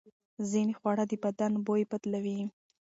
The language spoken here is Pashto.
ځینې خواړه د بدن بوی بدلوي.